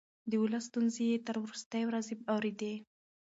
د ولس ستونزې يې تر وروستۍ ورځې اورېدې.